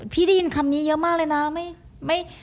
ได้ยินคำนี้เยอะมากเลยนะ